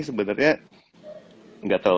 sebenernya gak terlalu